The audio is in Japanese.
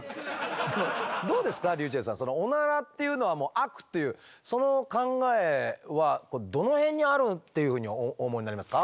でもどうですかｒｙｕｃｈｅｌｌさんそのオナラっていうのは悪というその考えはどの辺にあるっていうふうにお思いになりますか？